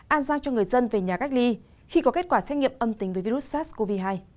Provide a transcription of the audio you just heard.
an giao cho người dân về nhà cách ly khi có kết quả xét nghiệm âm tính với virus sars cov hai